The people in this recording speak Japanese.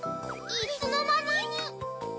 いつのまに？